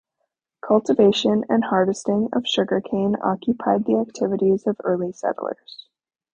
Cultivation and harvesting of sugarcane occupied the activities of early settlers.